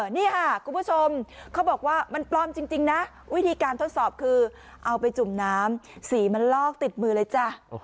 นี่ค่ะคุณผู้ชมเขาบอกว่ามันปลอมจริงนะวิธีการทดสอบคือเอาไปจุ่มน้ำสีมันลอกติดมือเลยจ้ะ